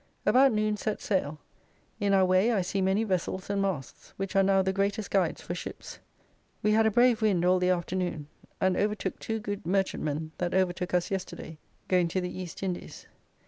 About noon set sail; in our way I see many vessels and masts, which are now the greatest guides for ships. We had a brave wind all the afternoon, and overtook two good merchantmen that overtook us yesterday, going to the East Indies.